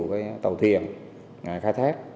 nhiều cái tàu thuyền khai thác